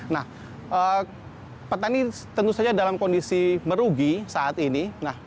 nah petani tentu saja dalam kondisi merugi saat ini